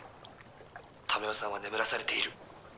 珠世さんは眠らされている。